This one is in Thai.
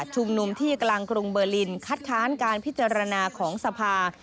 ชุมนุมที่กลางกรุงเบอร์ลินคัดค้านการพิจารณาของสภา